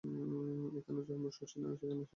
এখানে জন্ম শশীর, এখানেই সে বড় হইয়াছে।